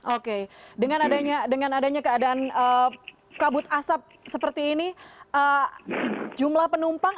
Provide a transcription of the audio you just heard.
oke dengan adanya keadaan kabut asap seperti ini jumlah penumpang